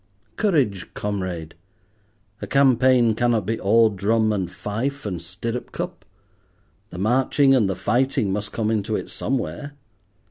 Courage, comrade. A campaign cannot be all drum and fife and stirrup cup. The marching and the fighting must come into it somewhere.